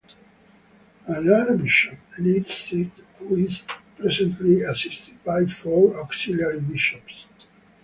An archbishop leads it who is presently assisted by four auxiliary bishops.